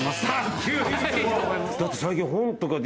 だって最近。